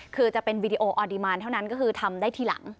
คือจะเป็นวีดีโอออดีมานเท่านั้นก็คือทำได้ทีหลัง